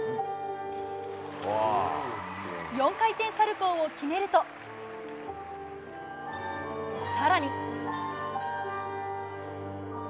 ４回転サルコウを決めると更に。